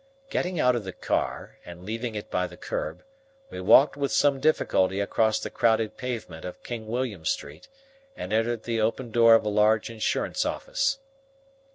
Getting out of the car and leaving it by the curb, we walked with some difficulty along the crowded pavement of King William Street and entered the open door of a large insurance office.